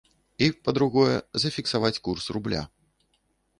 І, па-другое, зафіксаваць курс рубля.